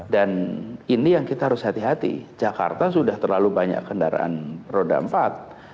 ini yang kita harus hati hati jakarta sudah terlalu banyak kendaraan roda empat